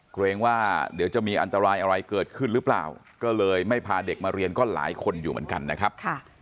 เกรงว่าเดี๋ยวจะมีอันตรายอะไรเกิดขึ้นหรือเปล่าก็เลยไม่พาเด็กมาเรียนก็หลายคนอยู่เหมือนกันนะครับ